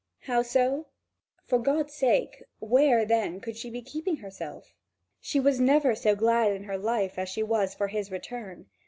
How so? For God's sake, where, then, could she be keeping herself? She was never so glad in her life as she was for his return.